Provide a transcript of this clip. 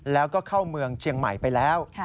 แล้วก็เข้าเมืองเชียงใหม่ไปแล้ว